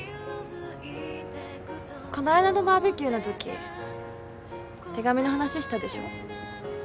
この間のバーベキューのとき手紙の話したでしょ？